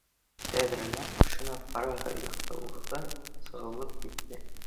Тәҙрәлә машина фараһы яҡтылығы сағылып китте